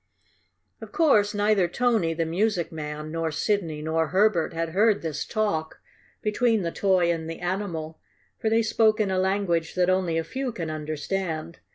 Of course neither Tony, the music man, nor Sidney nor Herbert had heard this talk between the toy and the animal, for they spoke in a language that only a few can understand.